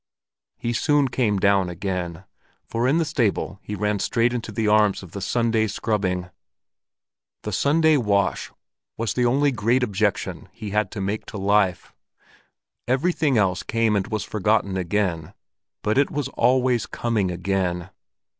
He soon came down again, for in the stable he ran straight into the arms of the Sunday scrubbing. The Sunday wash was the only great objection he had to make to life; everything else came and was forgotten again, but it was always coming again.